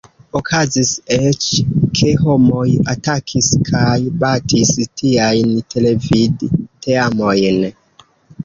Okazis eĉ, ke homoj atakis kaj batis tiajn televid-teamojn.